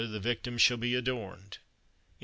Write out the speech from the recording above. the victim shall be adorned."